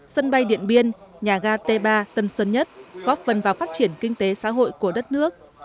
sân bay điện biên nhà ga t ba tân sơn nhất góp phần vào phát triển kinh tế xã hội của đất nước